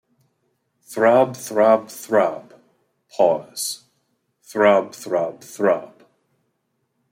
Throb, throb, throb, pause, throb, throb, throb.